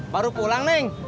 baru pulang neng